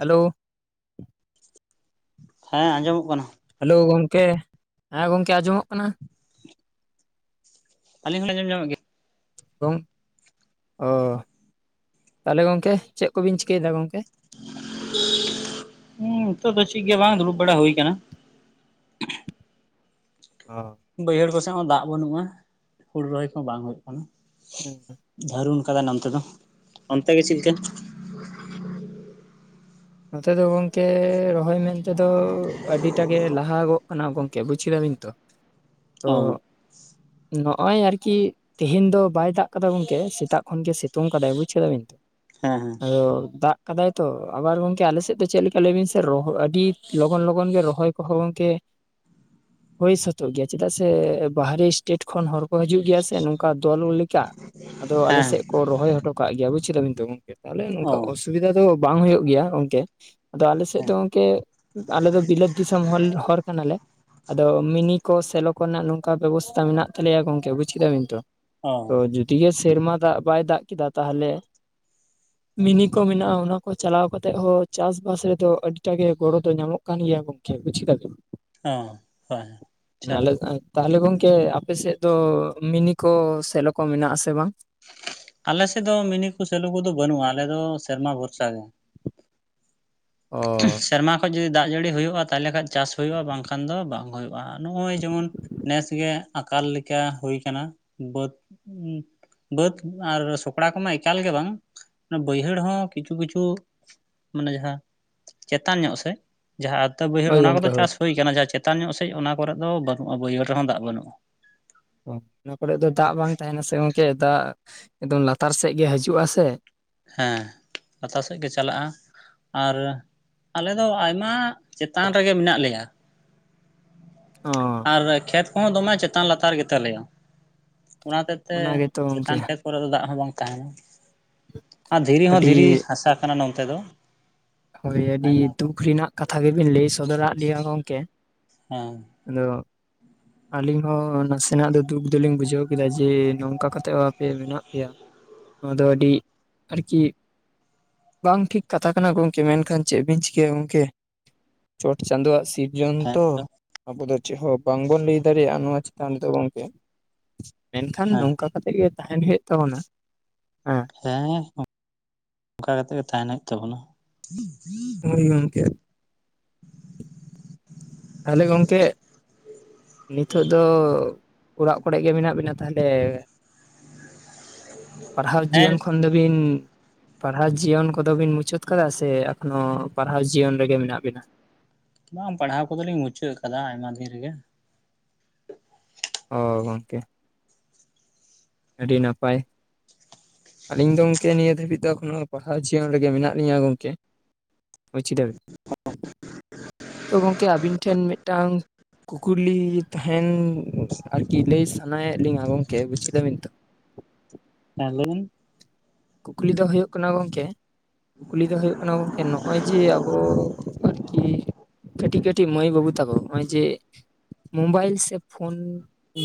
Hello ᱦᱮᱸ ᱟᱹᱡᱚᱢᱚᱜ ᱠᱟᱱᱟ ᱾ ᱦᱮᱞᱳ ᱜᱚᱝᱠᱮ, ᱦᱮᱸ ᱜᱚᱝᱠᱮ ᱟᱸᱡᱚᱢᱚᱜ ᱠᱟᱱᱟ ᱾ ᱟᱹᱞᱤᱧ ᱦᱚᱞᱤᱧ ᱧᱮᱞ ᱧᱟᱢᱮᱫ ᱜᱮ ᱾ ᱜᱚᱝ ᱚ ᱛᱟᱦᱚᱞᱮ ᱜᱚᱝᱠᱮ ᱪᱮᱫ ᱠᱚᱵᱤᱱ ᱪᱤᱠᱟᱹᱭ ᱫᱟ ᱜᱚᱝᱠᱮ? ᱦᱩᱸ ᱱᱤᱛᱚᱜ ᱫᱚ ᱪᱤᱜ ᱜᱮ ᱵᱟᱝ ᱫᱩᱲᱩᱵ ᱵᱟᱲᱟ ᱦᱳᱭ ᱠᱟᱱᱟ᱾ ᱚ᱾ ᱵᱟᱹᱭᱦᱟᱹᱲ ᱠᱚᱥᱮᱫ ᱦᱚᱸ ᱫᱟᱜ ᱵᱟᱹᱱᱩᱜ-ᱟ᱾ᱺᱦᱩᱲᱩ ᱨᱚᱦᱚᱭ ᱠᱚᱦᱚᱸ ᱵᱟᱝ ᱦᱩᱭᱩᱜ ᱠᱟᱱᱟ᱾ ᱫᱟᱹᱨᱩᱱ ᱠᱟᱫᱟᱭ ᱱᱚᱱᱛᱮ ᱫᱚ᱾ ᱚᱱᱛᱮ ᱜᱮ ᱪᱮᱫ ᱞᱮᱠᱟ? ᱱᱚᱛᱮ ᱫᱚ ᱜᱚᱝᱠᱮ ᱨᱚᱦᱚᱭ ᱢᱮᱱ ᱛᱮ ᱫᱚ ᱟᱹᱰᱤ ᱴᱟ ᱜᱮ ᱞᱟᱦᱟᱜᱚᱜ ᱠᱟᱱᱟ ᱜᱚᱝᱠᱮ ᱵᱩᱡ ᱠᱮᱫᱟ ᱵᱤᱱ᱾ ᱛᱚ᱾ ᱚ᱾ ᱱᱚᱜ-ᱚᱭ ᱟᱨᱠᱤ ᱛᱮᱦᱮᱧ ᱫᱚ ᱵᱟᱭ ᱫᱟᱜ ᱠᱟᱫᱟ ᱜᱚᱝᱠᱮ᱾ ᱥᱮᱛᱟᱜ ᱠᱷᱚᱱ ᱜᱮ ᱥᱤᱛᱩᱝ ᱠᱟᱫᱟᱭ ᱵᱩᱡ ᱠᱮᱫᱟ ᱵᱤᱱ ᱛᱚ᱾ ᱦᱮᱸ ᱦᱮᱸ᱾ ᱟᱫᱚ ᱫᱟᱜ ᱠᱟᱫᱟᱭ ᱛᱚ ᱟᱵᱟᱨ ᱜᱚᱝᱠᱮ ᱠᱮ ᱟᱞᱮ ᱥᱮᱫ ᱫᱚ ᱪᱮᱫ ᱞᱮᱠᱟ ᱞᱟᱹᱭ ᱵᱤᱱ ᱥᱮ ᱨᱚᱦᱚᱭ ᱟᱹᱰᱤ ᱞᱚᱜᱚᱱ ᱞᱚᱜᱚᱱ ᱜᱮ ᱨᱚᱦᱚᱭ ᱠᱚᱦᱚᱸ ᱜᱚᱝᱠᱮ ᱦᱩᱭᱳ ᱥᱟᱹᱛᱚᱜ ᱜᱮᱭᱟ᱾ ᱪᱮᱫᱟᱜ ᱥᱮ ᱵᱟᱦᱨᱮ ᱥᱴᱮᱴ ᱠᱷᱚᱱ ᱦᱚᱲ ᱠᱚ ᱦᱤᱡᱩᱜ ᱜᱮᱭᱟ ᱥᱮ ᱱᱚᱝᱠᱟ ᱫᱚᱞ ᱞᱮᱠᱟ ᱟᱫᱚ ᱟᱞᱮ ᱦᱮᱸ ᱥᱮᱫ ᱠᱚ ᱨᱚᱦᱚᱭ ᱦᱚᱴᱚ ᱠᱟᱜ ᱜᱮᱭᱟ ᱵᱩᱡ ᱠᱮᱫᱟ ᱵᱮᱱ ᱛᱚ ᱜᱚᱝᱠᱮ। ᱛᱟᱦᱞᱮ ᱚ ᱱᱚᱝᱠᱟ ᱚᱥᱩᱵᱤᱫᱷᱟ ᱫᱚ ᱵᱟᱝ ᱦᱩᱭᱩᱜ ᱜᱮᱭᱟ ᱜᱚᱝᱠᱮ᱾ ᱟᱫᱚ ᱟᱞᱮ ᱥᱮᱫ ᱦᱮᱸ ᱫᱚ ᱜᱚᱝᱠᱮ ᱟᱞᱮ ᱫᱚ ᱵᱤᱞᱟᱹᱛ ᱫᱤᱥᱚᱢ ᱦᱚᱲ ᱦᱚᱲ ᱠᱟᱱᱟᱞᱮ। ᱟᱫᱚ ᱢᱤᱱᱤ ᱠᱚ ᱥᱮᱞᱚ ᱠᱚᱨᱮᱱᱟᱜ ᱱᱚᱝᱠᱟ ᱵᱮᱵᱚᱥᱛᱟ ᱢᱮᱱᱟᱜ ᱛᱟᱞᱮᱭᱟ ᱜᱚᱝᱠᱮ ᱵᱩᱡ ᱠᱮᱫᱟ ᱵᱤᱱ ᱛᱚ। ᱚ ᱛᱚ ᱡᱩᱫᱤ ᱜᱮ ᱥᱮᱨᱢᱟ ᱫᱟᱜ ᱵᱟᱭ ᱫᱟᱜ ᱠᱮᱫᱟ ᱛᱟᱦᱚᱞᱮ ᱢᱤᱱᱤ ᱠᱚ ᱢᱮᱱᱟᱜ-ᱟ ᱚᱱᱟ ᱠᱚ ᱪᱟᱞᱟᱣ ᱠᱟᱛᱮᱜ ᱦᱚᱸ ᱪᱟᱥ-ᱵᱟᱥ ᱨᱮᱫᱚ ᱟᱹᱰᱤᱴᱟ ᱜᱮ ᱜᱚᱲᱚ ᱫᱚ ᱧᱟᱢᱚᱜ ᱠᱟᱱ ᱜᱮᱭᱟ ᱜᱚᱝᱠᱮ ᱵᱩᱡ ᱠᱮᱫᱟ ᱵᱤᱱ। ᱦᱮᱸ ᱦᱳᱭ ᱟᱪᱪᱷᱟ ᱟᱞᱮ ᱫᱚ ᱱᱚᱜ-ᱚᱭ ᱛᱟᱦᱚᱞᱮ ᱜᱚᱝᱠᱮ ᱟᱯᱮ ᱥᱮᱫ ᱫᱚ ᱢᱤᱱᱤ ᱠᱚ ᱥᱮᱞᱚ ᱠᱚ ᱢᱮᱱᱟᱜ ᱟᱥᱮ ᱵᱟᱝ? ᱟᱞᱮ ᱥᱮᱫ ᱫᱚ ᱢᱤᱱᱤ ᱠᱚ ᱥᱮᱞᱚ ᱠᱚᱫᱚ ᱵᱟᱹᱱᱩᱜ-ᱟ, ᱟᱞᱮ ᱫᱚ ᱥᱮᱨᱢᱟ ᱵᱷᱚᱨᱥᱟ ᱜᱮ। ᱚ᱾ ᱥᱮᱨᱢᱟ ᱠᱷᱚᱡ ᱡᱩᱫᱤ ᱫᱟᱜ ᱡᱟᱹᱲᱤ ᱦᱩᱭᱩᱜ-ᱟ ᱛᱟᱦᱚᱞᱮ ᱠᱷᱟᱡ ᱪᱟᱥ ᱦᱩᱭᱩᱜ-ᱟ ᱵᱟᱝᱠᱷᱟᱱ ᱫᱚ ᱵᱟᱝ ᱦᱩᱭᱩᱜ-ᱟ। ᱱᱚᱜ-ᱚᱭ ᱡᱮᱢᱚᱱ ᱱᱮᱥᱜᱮ ᱟᱠᱟᱞ ᱞᱮᱠᱟ ᱦᱩᱭ ᱠᱟᱱᱟ ᱵᱟᱹᱫᱽ ᱩᱸ ᱵᱟᱹᱫ ᱟᱨ ᱥᱚᱠᱲᱟ ᱠᱚᱢᱟ ᱮᱠᱟᱞ ᱜᱮ ᱵᱟᱝ। ᱚᱱᱟ ᱵᱟᱹᱭᱦᱟᱹᱲ ᱦᱚᱸ ᱠᱤᱪᱷᱩ ᱠᱤᱪᱷᱩ ᱢᱟᱱᱮ ᱡᱟᱦᱟᱸ ᱪᱮᱛᱟᱱ ᱧᱚᱜ ᱥᱮᱫ ᱡᱟᱦᱟᱸ ᱟᱣᱛᱟ ᱵᱟᱹᱭᱦᱟᱹᱲ ᱦᱳᱭ ᱚᱱᱟ ᱜᱚᱝᱠᱮ ᱠᱚᱫᱚ ᱦᱳᱭ ᱪᱟᱥ ᱦᱩᱭ ᱠᱟᱱᱟ ᱡᱟᱦᱟᱸ ᱪᱮᱛᱟᱱ ᱧᱚᱜ ᱥᱮᱡ ᱚᱱᱟ ᱠᱚᱨᱮᱫ ᱫᱚ ᱵᱟᱹᱱᱩᱜ-ᱟ ᱵᱟᱹᱭᱦᱟᱹᱲ ᱨᱮᱦᱚᱸ ᱫᱟᱜ ᱵᱟᱹᱱᱩᱜᱼᱟ। ᱚ ᱚᱱᱟ ᱠᱚᱨᱮ ᱫᱚ ᱫᱟᱜ ᱵᱟᱝ ᱛᱟᱦᱮᱱᱟ ᱥᱮ ᱜᱚᱝᱠᱮ ᱫᱟᱜ ᱮᱠᱫᱚᱢ ᱞᱟᱛᱟᱨ ᱥᱮᱡ ᱜᱮ ᱦᱤᱡᱩᱜᱼᱟ ᱥᱮ᱾ ᱦᱮᱸ ᱞᱟᱛᱟᱨ ᱥᱮᱡ ᱜᱮ ᱪᱟᱞᱟᱜ-ᱟ। ᱟᱨ ᱟᱞᱮ ᱫᱚ ᱟᱭᱢᱟ ᱪᱮᱛᱟᱱ ᱨᱮᱜᱮ ᱢᱮᱱᱟᱜ ᱞᱮᱭᱟ। ᱚ ᱟᱨ ᱠᱷᱮᱛ ᱠᱚᱦᱚᱸ ᱫᱚᱢᱮ ᱪᱮᱛᱟᱱ ᱞᱟᱛᱟᱨ ᱜᱮᱛᱟ ᱞᱮᱭᱟ। ᱚᱱᱟ ᱦᱚᱛᱮᱜ ᱛᱮ ᱚᱱᱟ ᱜᱮᱛᱚ ᱜᱚᱝᱠᱮ ᱪᱮᱛᱟᱱ ᱠᱷᱮᱛ ᱠᱚᱨᱮ ᱫᱚ ᱫᱟᱜ ᱦᱚᱸ ᱵᱟᱝ ᱛᱟᱦᱮᱱᱟ ᱟᱨ ᱫᱷᱤᱨᱤ ᱦᱚᱸ ᱟᱹᱰᱤ ᱫᱷᱤᱨᱤ ᱦᱟᱥᱟ ᱠᱟᱱᱟ ᱱᱚᱛᱮ ᱫᱚ। ᱦᱳᱭ ᱟᱹᱰᱤ ᱟᱭᱢᱟ ᱜᱮ ᱫᱩᱠ ᱨᱮᱱᱟᱜ ᱠᱟᱛᱷᱟ ᱜᱮᱵᱤᱱ ᱞᱟᱹᱭ ᱥᱚᱫᱚᱨᱟᱜ ᱞᱮᱭᱟ ᱜᱚᱝᱠᱮ। ᱦᱮᱸ। ᱟᱫᱚ ᱟᱹᱞᱤᱧ ᱦᱚᱸ ᱱᱟᱥᱮᱱᱟᱜ ᱫᱚ ᱫᱩᱠ ᱫᱚᱞᱤᱧ ᱵᱩᱡᱷᱟᱹᱣ ᱠᱮᱫᱟ ᱡᱮ ᱱᱚᱝᱠᱟ ᱠᱟᱛᱮ ᱦᱚ ᱯᱮ ᱢᱮᱱᱟᱜ ᱯᱮᱭᱟ ᱱᱚᱣᱟ ᱫᱚ ᱟᱹᱰᱤ ᱟᱨᱠᱤ ᱵᱟᱝ ᱴᱷᱤᱠ ᱠᱟᱛᱷᱟ ᱠᱟᱱᱟ ᱜᱚᱝ ᱠᱮ ᱢᱮᱱᱠᱷᱟᱱ ᱪᱮᱫ ᱵᱤᱱ ᱪᱤᱠᱟᱹᱭᱟ ᱜᱚᱝᱠᱮ᱾ ᱪᱚᱴ ᱪᱟᱸᱫᱳᱣᱟᱜ ᱥᱤᱨᱡᱚᱱ ᱛᱚ। ᱟᱵᱚ ᱫᱚ ᱪᱮᱫ ᱦᱚᱸ ᱵᱟᱝᱵᱚᱱ ᱞᱟᱹᱭ ᱫᱟᱲᱮᱭᱟᱜ-ᱟ ᱱᱚᱣᱟ ᱪᱮᱛᱟᱱ ᱨᱮᱫᱚ ᱜᱚᱝᱠᱮ। ᱢᱮᱱᱠᱷᱟᱱ ᱦᱮᱸ ᱱᱚᱝᱠᱟ ᱠᱟᱛᱮ ᱜᱮ ᱛᱟᱦᱮᱱ ᱦᱩᱭᱩᱜ ᱛᱟᱵᱚᱱᱟ ᱦᱮᱸ। ᱦᱮᱸ ᱦᱮᱸ ᱚᱱᱠᱟ ᱠᱟᱛᱮ ᱜᱮ ᱛᱟᱦᱮᱱ ᱦᱩᱭᱩᱜ ᱛᱟᱵᱚᱱᱟ। ᱦᱳᱭ ᱜᱚᱝᱠᱮ। ᱛᱟᱦᱚᱞᱮ ᱜᱚᱝᱠᱮ ᱱᱤᱛᱚᱜ ᱫᱚ ᱚᱲᱟᱜ ᱠᱚᱨᱮ ᱜᱮ ᱢᱮᱱᱟᱜ ᱵᱤᱱᱟ ᱛᱟᱦᱚᱞᱮ? ᱯᱟᱲᱦᱟᱣ ᱦᱮᱸ ᱡᱤᱭᱚᱱ ᱠᱷᱚᱱ ᱫᱚᱵᱤᱱ ᱯᱟᱲᱦᱟᱣ ᱡᱤᱭᱚᱱ ᱠᱚᱫᱚ ᱵᱤᱱ ᱢᱩᱪᱟᱹᱫ ᱟᱠᱟᱫᱟ ᱥᱮ ᱮᱠᱷᱚᱱᱚ ᱯᱟᱲᱦᱟᱣ ᱡᱤᱭᱚᱱ ᱨᱮᱜᱮ ᱢᱮᱱᱟᱜ ᱵᱤᱱᱟ? ᱵᱟᱝ ᱯᱟᱲᱦᱟᱣ ᱠᱚᱫᱚᱞᱤᱧ ᱢᱩᱪᱟᱹᱫ ᱟᱠᱟᱫᱟ ᱟᱭᱢᱟ ᱫᱤᱱ ᱨᱮᱜᱮ। ᱚ ᱜᱚᱝᱠᱮ। ᱟᱹᱰᱤ ᱱᱟᱯᱟᱭ। ᱟᱞᱤᱧ ᱫᱚ ᱜᱚᱝᱠᱮ ᱱᱤᱭᱟᱹ ᱫᱷᱟᱹᱵᱤᱡ ᱫᱚ ᱮᱠᱷᱚᱱᱳ ᱯᱟᱲᱦᱟᱣ ᱡᱤᱭᱚᱱ ᱨᱮᱜᱮ ᱢᱮᱱᱟᱜ ᱞᱤᱧᱟᱹ ᱜᱚᱝᱠᱮ। ᱵᱩᱡ ᱠᱮᱫᱟᱵᱤᱱ? ᱛᱚ ᱜᱚᱝᱠᱮ ᱟᱵᱤᱱ ᱴᱷᱮᱱ ᱢᱤᱫᱴᱟᱝ ᱠᱩᱠᱞᱤ ᱛᱟᱦᱮᱱ ᱟᱨᱠᱤ ᱞᱟᱹᱭ ᱥᱟᱱᱟᱭ ᱥᱟᱱᱟᱭᱮᱫ ᱞᱤᱧᱟ ᱜᱚᱝᱠᱮ ᱵᱩᱪ ᱠᱮᱫᱟ ᱵᱤᱱ। ᱦᱮᱸ ᱞᱟᱹᱭᱵᱤᱱ। ᱠᱩᱠᱞᱤ ᱫᱚ ᱦᱩᱭᱩᱜ ᱠᱟᱱᱟ ᱜᱚᱝᱠᱮ, ᱠᱩᱠᱞᱤ ᱫᱚ ᱦᱩᱭᱩᱜ ᱠᱟᱱᱟ ᱜᱚᱝᱠᱮ ᱱᱚᱜᱼᱚᱭ ᱡᱮ ᱟᱵᱚ ᱟᱰᱤ ᱠᱟᱹᱴᱤᱡ ᱠᱟᱹᱴᱤᱡ ᱢᱟᱹᱭ ᱵᱟᱹᱵᱩ ᱛᱟᱠᱚ ᱱᱚᱜᱼᱚᱭ ᱡᱮ ᱢᱳᱵᱟᱭᱤᱞ ᱥᱮ ᱯᱷᱳᱱ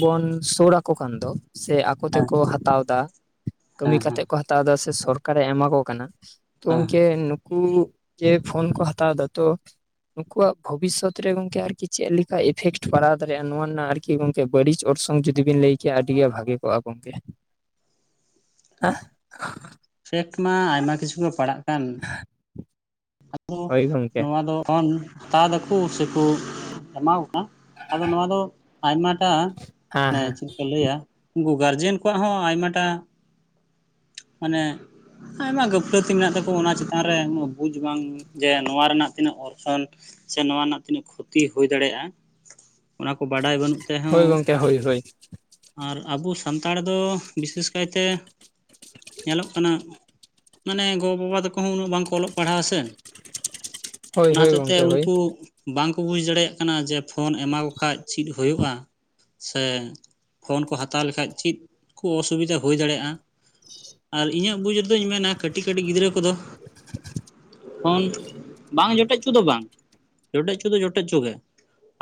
ᱵᱚᱱ ᱥᱩᱨ ᱟᱠᱚ ᱠᱟᱱ ᱫᱚ ᱥᱮ ᱟᱠ ᱟᱠ ᱦᱮᱸ ᱛᱮᱠᱚ ᱦᱟᱛᱟᱣ ᱫᱟ, ᱠᱟᱹᱢᱤ ᱦᱮᱸ ᱦᱮᱸ ᱠᱟᱛᱮ ᱠᱚ ᱦᱟᱛᱟᱣ ᱮᱫᱟ ᱥᱮ ᱥᱚᱨᱠᱟᱨᱮ ᱮᱢᱟ ᱠᱚ ᱠᱟᱱᱟ᱾ ᱛᱚ ᱦᱮᱸ ᱜᱚᱝᱠᱮ ᱱᱩᱠᱩ ᱡᱮ ᱯᱷᱳᱱ ᱠᱚ ᱦᱟᱛᱟᱣ ᱮᱫᱟ ᱛᱚᱼᱼ ᱱᱩᱠᱩᱣᱟᱜ ᱵᱷᱚᱵᱤᱥᱚᱛ ᱨᱮ ᱜᱚᱝᱠᱮ ᱟᱨᱠᱤ ᱪᱮᱫ ᱞᱮᱠᱟ ᱤᱯᱷᱮᱠᱴ ᱯᱟᱲᱟᱣ ᱫᱟᱲᱮᱭᱟᱜᱼᱟ ᱱᱚᱣᱟ ᱨᱮᱱᱟᱜ ᱟᱨ ᱠᱤ ᱜᱚᱢᱠᱮ ᱵᱟᱹᱲᱤᱡᱽ ᱚᱨᱥᱚᱝ ᱡᱩᱫᱤ ᱵᱤᱱ ᱞᱟᱹᱭ ᱠᱮᱭᱟ ᱟᱹᱰᱤᱜᱮ ᱵᱷᱟᱜᱮ ᱠᱚᱜᱼᱟ ᱜᱚᱢᱠᱮ? [unintelligible] ᱯᱷᱮᱠᱴ ᱢᱟ ᱟᱭᱢᱟ ᱠᱤᱪᱷᱩ ᱜᱮ ᱯᱟᱲᱟᱜ ᱠᱟᱱ᱾ ᱦᱳᱭ ᱜᱚᱝᱠᱮ ᱱᱚᱣᱟ ᱫᱚ ᱚᱱ ᱦᱟᱛᱟᱣ ᱫᱟᱠᱚ ᱥᱮᱠᱚ ᱮᱢᱟᱠᱚ ᱠᱟᱱᱟ᱾ ᱟᱫᱚ ᱱᱚᱣᱟ ᱫᱚ ᱟᱭᱢᱟᱴᱟ ᱦᱮᱸ ᱢᱟᱱᱮ ᱦᱮᱸ ᱪᱤᱼᱼ ᱠᱚ ᱞᱟᱹᱭᱟ ᱩᱱᱠᱩ ᱜᱟᱨᱡᱮᱱ ᱠᱚᱣᱟᱜ ᱦᱚᱸ ᱟᱭᱢᱟᱴᱟᱜ ᱢᱟᱱᱮ ᱟᱭᱢᱟ ᱜᱟᱹᱯᱞᱟᱹᱛᱤ ᱢᱮᱱᱟᱜ ᱛᱟᱠᱚᱣᱟ ᱚᱱᱟ ᱪᱮᱛᱟᱱ ᱨᱮᱼᱼ ᱵᱩᱡᱽ ᱵᱟᱝ ᱡᱮ ᱱᱚᱣᱟ ᱨᱮᱱᱟᱜ ᱛᱤᱱᱟᱹᱜ ᱚᱨᱥᱚᱝ ᱥᱮ ᱱᱚᱣᱟ ᱨᱮᱱᱟᱜ ᱛᱤᱱᱟᱹᱜ ᱠᱷᱩᱛᱤ ᱦᱩᱭ ᱫᱟᱲᱮᱭᱟᱜᱼᱟ᱾ ᱚᱱᱟ ᱠᱚ ᱵᱟᱰᱟᱭ ᱵᱟᱹᱱᱩᱜ ᱛᱮᱦᱚᱸᱼᱼ ᱦᱳᱭ ᱜᱚᱝᱠᱮ ᱦᱳᱭ ᱦᱳᱭ ᱟᱨ ᱟᱵᱚ ᱥᱟᱱᱛᱟᱲ ᱫᱚ ᱵᱤᱥᱮᱥ ᱠᱟᱭᱛᱮ ᱧᱮᱞᱚᱜ ᱠᱟᱱᱟ, ᱢᱟᱱᱮ ᱜᱚᱼᱵᱟᱵᱟ ᱛᱟᱠᱚ ᱦᱚᱸ ᱩᱱᱟᱹᱜ ᱵᱟᱝᱠᱚ ᱚᱞᱚᱜ ᱯᱟᱲᱦᱟᱣ ᱥᱮ, ᱦᱳᱭ ᱚᱱᱟ ᱦᱳᱭ ᱦᱚᱛᱮᱜ ᱛᱮ ᱜᱚᱝᱠᱮ ᱦᱳᱭ ᱩᱱᱠᱩ ᱵᱟᱝᱠᱚ ᱵᱩᱡᱽ ᱫᱟᱲᱮᱭᱟᱜ ᱠᱟᱱᱟ ᱡᱮ ᱯᱷᱳᱱ ᱮᱢᱟᱠᱚ ᱠᱷᱟᱡ ᱪᱮᱫ ᱦᱳᱭᱳᱜᱼᱟ᱾ ᱥᱮ ᱯᱷᱳᱱ ᱠᱚ ᱦᱟᱛᱟᱣ ᱞᱮᱠᱷᱟᱡ ᱪᱮᱫ ᱠᱚ ᱚᱥᱩᱵᱤᱫᱟ ᱦᱩᱭ ᱫᱟᱲᱮᱭᱟᱜᱼᱟ᱾ ᱟᱨ ᱤᱧᱟᱹᱜ ᱵᱩᱡᱽ ᱨᱮᱫᱚᱧ ᱢᱮᱱᱟ ᱠᱟᱹᱴᱤᱡ ᱠᱟᱹᱴᱤᱡ ᱜᱤᱫᱽᱨᱟᱹ ᱠᱚᱫᱚᱼᱼ ᱯᱷᱳᱱ ᱵᱟᱝ ᱡᱚᱴᱮᱫᱪᱚ ᱫᱚ ᱵᱟᱝ ᱡᱚᱴᱮᱫ ᱦᱚᱪᱚ ᱫᱚ ᱡᱚᱴᱮᱫ ᱪᱚ ᱜᱮ᱾